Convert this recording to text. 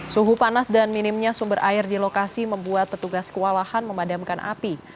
suhu panas dan minimnya sumber air di lokasi membuat petugas kewalahan memadamkan api